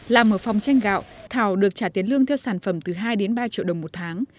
làm ở phòng tranh gạo thảo được trả tiền lương theo sản phẩm từ hai đến ba triệu đồng một tháng